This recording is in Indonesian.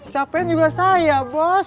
capek juga saya bos